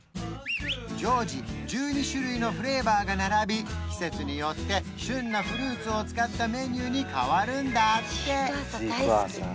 常時１２種類のフレーバーが並び季節によって旬なフルーツを使ったメニューに変わるんだっておすすめは７月からの新メニュー